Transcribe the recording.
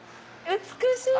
美しい！